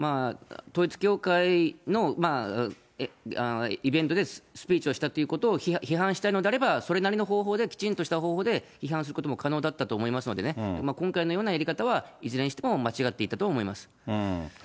統一教会のイベントでスピーチをしたってことを批判したいのであれば、それなりの方法で、きちんとした方法で批判することも可能だったと思いますのでね、今回のようなやり方は、いずれにしても間違っていたと思います。